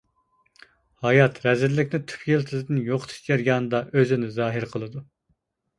ھايات، رەزىللىكنى تۈپ يىلتىزىدىن يوقىتىش جەريانىدا ئۆزىنى زاھىر قىلىدۇ.